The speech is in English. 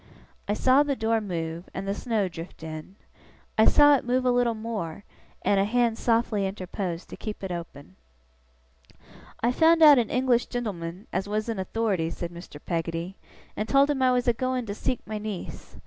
I saw the door move, and the snow drift in. I saw it move a little more, and a hand softly interpose to keep it open. 'I found out an English gen'leman as was in authority,' said Mr. Peggotty, 'and told him I was a going to seek my niece.